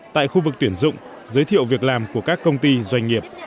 tại khu vực tuyển dụng giới thiệu việc làm của các công ty doanh nghiệp